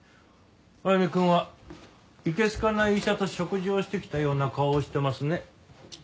歩くんはいけ好かない医者と食事をしてきたような顔をしてますね。